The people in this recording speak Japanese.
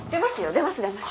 出ます出ます。